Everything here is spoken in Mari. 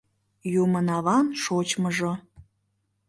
— Юмынаван шочмыжо.